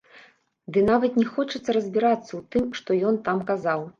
Ды нават не хочацца разбірацца ў тым, што ён там казаў.